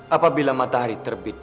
apabila matahari terbit